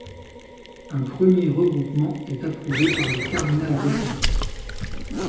Un premier regroupement est approuvé par le cardinalGoossens.